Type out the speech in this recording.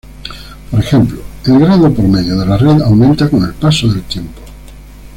Por ejemplo, el grado promedio de la red aumenta con el paso del tiempo.